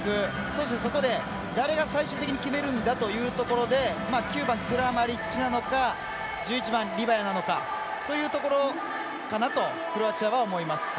そして、そこで誰が最終的に決めるんだというところで９番、クラマリッチなのか１１番、リバヤなのかというところなのかなとクロアチアは思います。